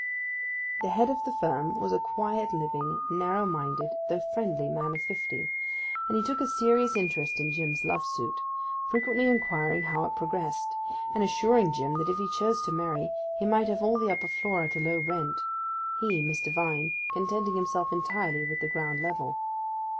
The head of the firm was a quiet living, narrow minded, though friendly, man of fifty; and he took a serious interest in Jim's love suit, frequently inquiring how it progressed, and assuring Jim that if he chose to marry he might have all the upper floor at a low rent, he, Mr. Vine, contenting himself entirely with the ground level.